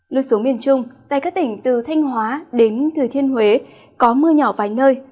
lưu xuống miền trung tại các tỉnh từ thanh hóa đến thừa thiên huế có mưa nhỏ vài nơi